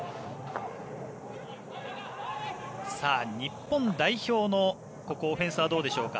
日本代表のオフェンスはどうでしょうか。